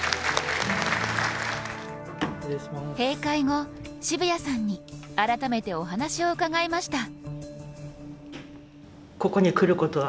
閉会後渋谷さんに改めてお話を伺いました。